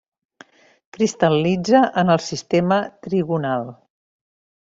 Cristal·litza en el sistema trigonal.